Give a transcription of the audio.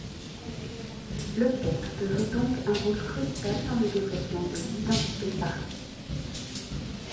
Le texte joue donc un rôle crucial dans le développement de l'identité parsie.